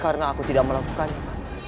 karena aku tidak melakukan itu